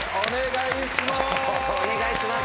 お願いします！